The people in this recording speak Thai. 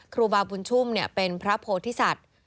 ครูบาบุญชุ่มเป็นพระโพธิสัตว์